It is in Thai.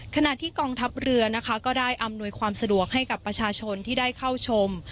ขณะที่กองทัพเรือนะคะก็ได้อำนวยความสะดวกให้กับประชาชนที่ได้เข้าชม